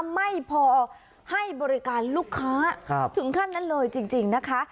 ไม่พอให้บริการลูกค้าถึงขั้นนั้นเลยจริงนะคะ